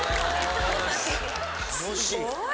楽しい。